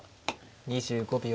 ２５秒。